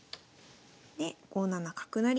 で５七角成。